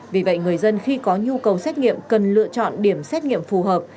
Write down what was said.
vì vậy người dân khi có nhu cầu xét nghiệm cần lựa chọn điểm xét nghiệm phù hợp